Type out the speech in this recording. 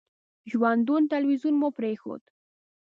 ژوندون تلویزیون مو پرېښود.